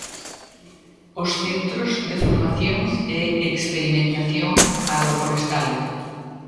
Os centros de formación e experimentación agroforestal.